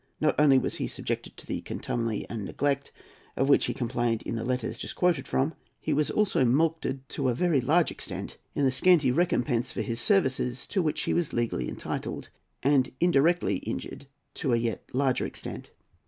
Not only was he subjected to the contumely and neglect of which he complained in the letters just quoted from: he was also directly mulcted to a very large extent in the scanty recompense for his services to which he was legally entitled, and indirectly injured to a yet larger extent.